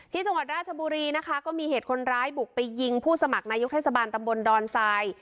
จังหวัดราชบุรีนะคะก็มีเหตุคนร้ายบุกไปยิงผู้สมัครนายกเทศบาลตำบลดอนทราย